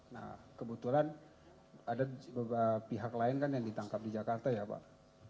nah kebetulan ada beberapa pihak lain kan yang ditangkap di jakarta ya pak